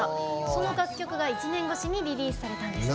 その楽曲が１年越しにリリースされたんです。